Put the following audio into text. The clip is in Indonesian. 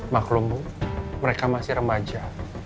maklumu mereka masih remaja